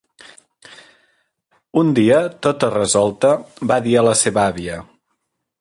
Un dia, tota resolta, va dir a la seva àvia: